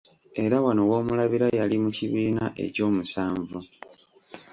Era wano w'omulabira yali mu kibiina eky’omusanvu.